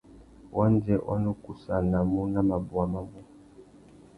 Wandjê wa nu kussānamú nà mabôwa mabú.